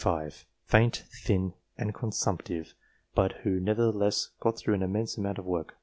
55, faint, thin, and consumptive, but who nevertheless got through an immense amount of work.